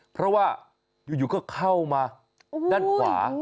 เพราะว่าอยู่ก็เข้ามาด้านขวา